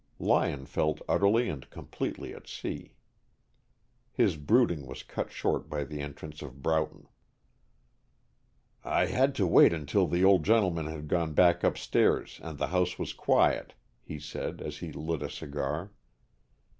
Lyon felt utterly and completely at sea. His brooding was cut short by the entrance of Broughton. "I had to wait until the old gentleman had gone back upstairs and the house was quiet," he said, as he lit a cigar.